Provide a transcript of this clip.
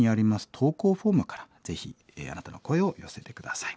投稿フォームからぜひあなたの声を寄せて下さい。